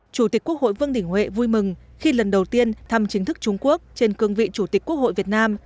chủ tịch quốc hội vương đình huệ vui mừng khi lần đầu tiên thăm chính thức trung quốc trên cương vị chủ tịch quốc hội việt nam